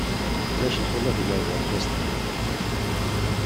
Ulac lxilaf gar wergaz d tmeṭṭut.